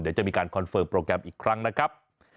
เดี๋ยวจะมีการคอนเฟิร์มโปรแกรมอีกครั้งนะครับ